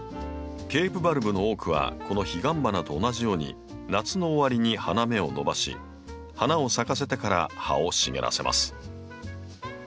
ケープバルブの多くはこのヒガンバナと同じように夏の終わりに花芽を伸ばし花を咲かせてから葉を茂らせます。